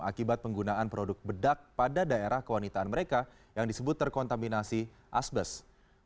akibat penggunaan produk bedak pada daerah kewanitaan mereka yang disebut terkontaminasi asbes